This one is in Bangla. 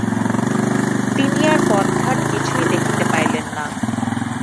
তিনি আর পথঘাট কিছুই দেখিতে পাইলেন না।